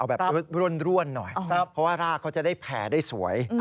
แบบร่วนหน่อยเพราะว่ารากเขาจะได้แผ่ได้สวย